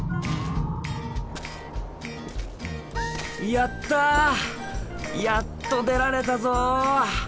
やったやっと出られたぞ！